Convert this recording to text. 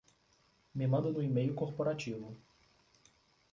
Me manda no e-mail corporativo